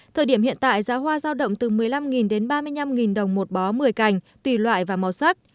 thời điểm hiện tại giá hoa giao động từ một mươi năm đến ba mươi năm đồng một bó một mươi cành tùy loại và màu sắc